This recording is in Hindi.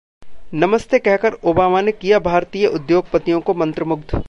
‘नमस्ते’ कहकर ओबामा ने किया भारतीय उद्योगपतियों को मंत्रमुग्ध